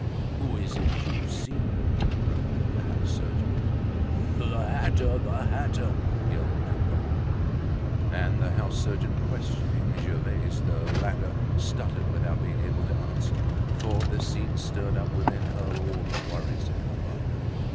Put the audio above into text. "Who is it you see?" repeated the house surgeon. "The hatter! The hatter!" yelled Coupeau. And the house surgeon questioning Gervaise, the latter stuttered without being able to answer, for this scene stirred up within her all the worries of her life.